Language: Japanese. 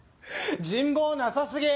人望なさすぎ。